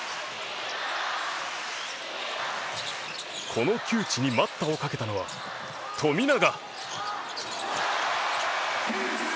この窮地に待ったをかけたのは富永！